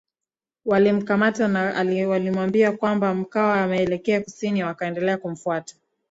walimkamata na aliwaambia kwamba Mkwawa ameelekea kusini Wakaendelea kumfuata